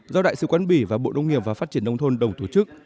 do đại sứ quán bỉ và bộ nông nghiệp và phát triển nông thôn đồng tổ chức